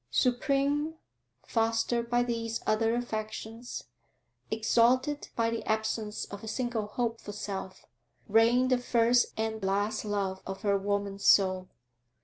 Supreme, fostered by these other affections, exalted by the absence of a single hope for self, reigned the first and last love of her woman soul.